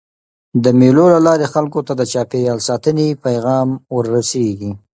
د مېلو له لاري خلکو ته د چاپېریال ساتني پیغام وررسېږي.